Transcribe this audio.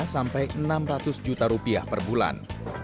rp enam ratus juta per bulan